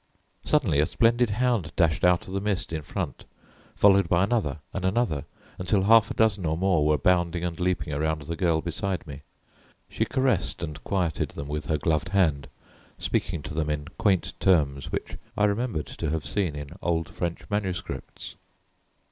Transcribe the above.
Suddenly a splendid hound dashed out of the mist in front, followed by another and another until half a dozen or more were bounding and leaping around the girl beside me. She caressed and quieted them with her gloved hand, speaking to them in quaint terms which I remembered to have seen in old French manuscripts.